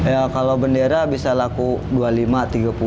ya kalau bendera bisa laku dua puluh lima tiga puluh